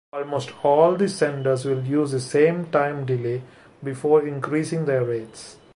Almost all the senders will use the same time delay before increasing their rates.